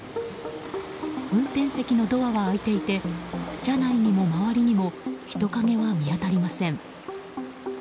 運転席のドアは開いていて車内にも周りにも人影は見当たりません。